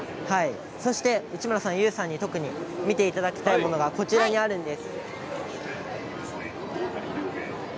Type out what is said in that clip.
そして、内村さんとＹＯＵさんに特に見ていただきたいものがこちらにあるんです。